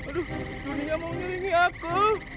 aduh dunia mau mengiringi aku